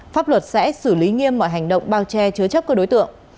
pháp luật sẽ xử lý nghiêm mọi hành động bao che chứa chấp các đối tượng